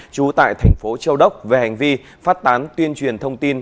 trú tại thành phố châu đốc về hành vi phát tán tuyên truyền thông tin